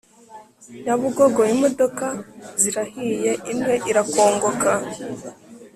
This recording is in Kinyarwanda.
nyabugogo imodoka zirahiye imwe irakongoka